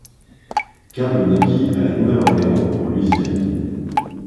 Cable naquit à La Nouvelle-Orléans, en Louisiane.